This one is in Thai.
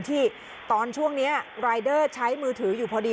ที่ตอนช่วงนี้ใช้มือถืออยู่พอดี